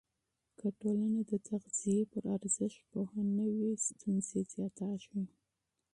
که ټولنه د تغذیې پر اهمیت پوهه نه وي، ستونزې زیاتېږي.